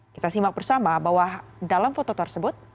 kita simak bersama bahwa dalam foto tersebut